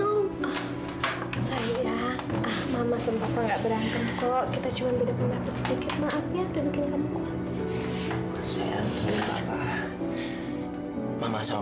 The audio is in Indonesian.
sumpah nggak berantem kok kita cuman beda pendapat sedikit maaf ya dan bikin kamu kuat sayang mama